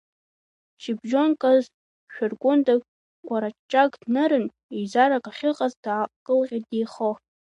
Шьыбжьонказ шәаргәындак кәараҷҷак днырын, еизарак ахьыҟаз даакылҟьеит деихо.